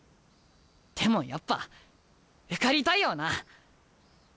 でもやっぱ受かりたいよなあ。